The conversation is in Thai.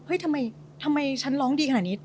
เฮ้ยทำไมทำไมฉันร้องดีขนาดนี้